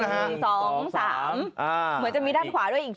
เหมือนจะมีด้านขวาด้วยอีก